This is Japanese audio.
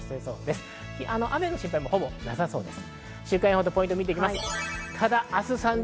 雨の心配もほぼなさそうです。